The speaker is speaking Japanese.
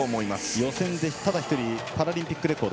予選でただ１人パラリンピックレコード。